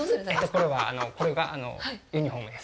これがユニホームです。